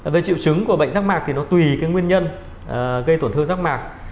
về triệu chứng của bệnh rác mạc thì nó tùy cái nguyên nhân gây tổn thương rác mạc